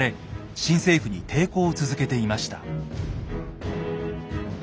新政府に抵抗を続けていました。